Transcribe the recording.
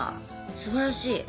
すばらしい。